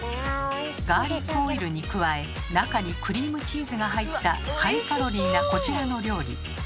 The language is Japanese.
ガーリックオイルに加え中にクリームチーズが入ったハイカロリーなこちらの料理。